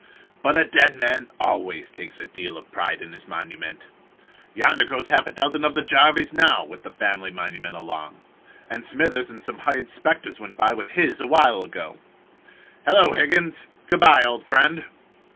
But a dead man always takes a deal of pride in his monument. Yonder goes half a dozen of the Jarvises now, with the family monument along. And Smithers and some hired specters went by with his awhile ago. Hello, Higgins, good by, old friend!